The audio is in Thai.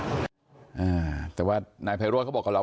เนี่ยแต่ว่านายแพร่โรดเค้าบอกกับเรา